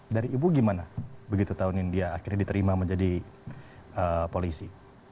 dari ibu gimana begitu tahun india akhirnya diterima menjadi polisi